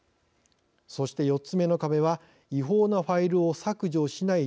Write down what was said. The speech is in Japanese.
そして、４つ目の壁は違法なファイルを削除しない